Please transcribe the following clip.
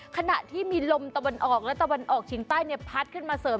ขณะที่มีลมตะวันออกและตะวันออกเฉียงใต้พัดขึ้นมาเสริม